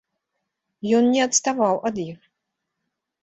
Ён не адставаў ад іх.